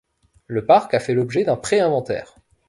Le parc a fait l'objet d'un pré-inventaire.